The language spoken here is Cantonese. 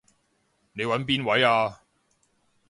你搵邊位啊？